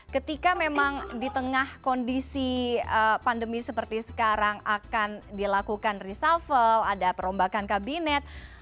ketika memang di tengah kondisi pandemi seperti sekarang akan dilakukan reshuffle ada perombakan kabinet